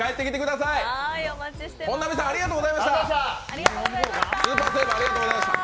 本並さん、スーパーセーブ、ありがとうございました。